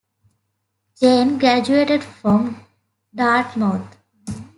Jane graduated from Dartmouth.